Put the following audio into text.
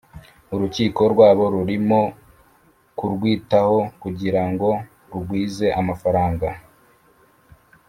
Urukiko rwabo rurimo kurwitaho kugira ngo rugwize amafaranga